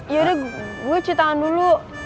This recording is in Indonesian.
yaudah gue cuci tangan dulu